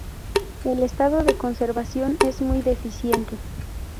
El estado de conservación es muy deficiente.